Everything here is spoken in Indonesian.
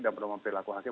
dan penuh mampir laku hakim